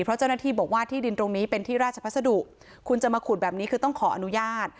เพราะเจ้าหน้าที่บอกว่าที่ดินตรงนี้เป็นที่ราชพัสดุคุณจะมาขุดแบบนี้คือต้องขออนุญาต